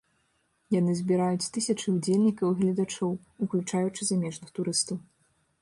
Яны збіраюць тысячы ўдзельнікаў і гледачоў, уключаючы замежных турыстаў.